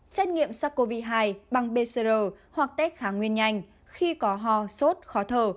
xét nghiệm sars cov hai bằng bcr hoặc test kháng nguyên nhanh khi có ho sốt khó thở